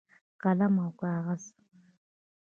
قلم او کاغذ